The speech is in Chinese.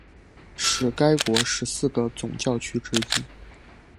是该国十四个总教区之一。